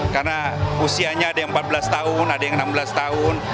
karena usianya ada yang empat belas tahun ada yang enam belas tahun